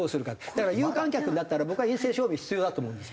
だから有観客になったら僕は陰性証明必要だと思うんです。